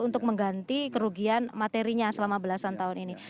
untuk mengganti kerugian materinya selama belasan tahun ini